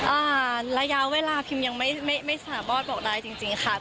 อ่าระยะเวลาพิมยังไม่ไม่สามารถบอกได้จริงจริงค่ะ